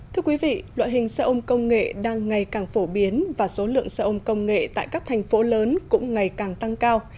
thưa quý vị loại hình xe ôm công nghệ đang ngày càng phổ biến và số lượng xe ôm công nghệ tại các thành phố lớn cũng ngày càng tăng cao